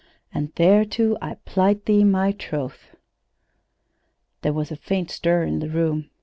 "'And thereto I plight thee my troth.'" There was a faint stir in the room.